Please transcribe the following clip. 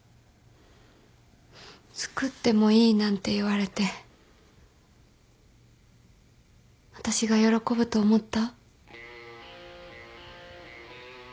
つくってもいいなんて言われて私が喜ぶと思った？